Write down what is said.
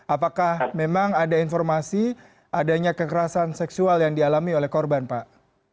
apakah memang ada informasi adanya kekerasan seksual yang dialami oleh korban pak